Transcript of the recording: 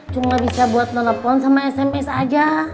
cuma bisa buat telepon sama sms aja